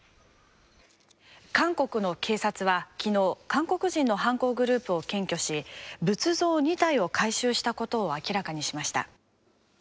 韓国の警察はきのう韓国人の犯行グループを検挙し仏像２体を回収したことを明らかにしました。